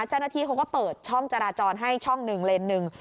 เจ้าหน้าที่เขาก็เปิดช่องจราจรให้ช่องหนึ่งเลนส์หนึ่ง